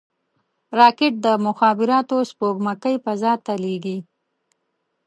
راکټ د مخابراتو سپوږمکۍ فضا ته لیږي